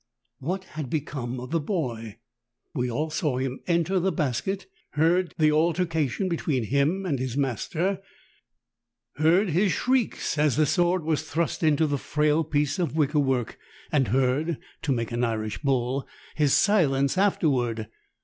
What had become of the boy? We all saw him enter the basket, heard the alter cation between him and his master, heard his shrieks as the sword was thrust into the frail piece of wicker work and heard (to make an Irish bull) his silence afterward.